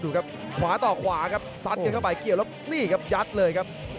ดูครับขวาต่อขวาครับซัดกันเข้าไปเกี่ยวแล้วนี่ครับยัดเลยครับ